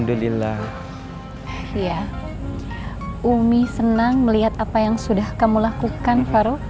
ustadz senang melihat apa yang sudah kamu lakukan farouk